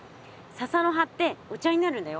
笹の葉ってお茶になるんだよ。